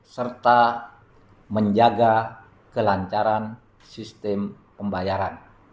serta menjaga kelancaran sistem pembayaran